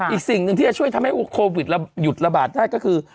อีกสิ่งหนึ่งที่จะช่วยทำให้โควิดเราหยุดระบาดได้ก็คือ